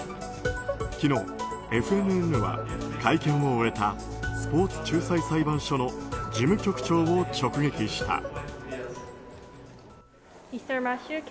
昨日、ＦＮＮは会見を終えたスポーツ仲裁裁判所の事務局長を直撃した。